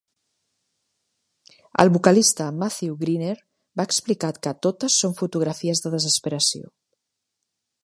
El vocalista Matthew Greener va explicar que totes són fotografies de desesperació.